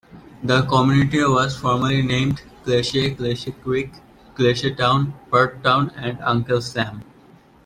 The community was formerly named Kelsey, Kelsey Creek, Kelsey Town, Peartown, and Uncle Sam.